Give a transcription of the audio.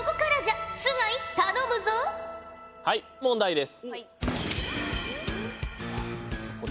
はい問題です。